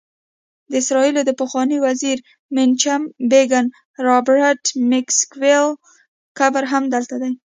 د اسرائیلو د پخواني وزیر میناچم بیګین، رابرټ میکسویل قبر هم دلته دی.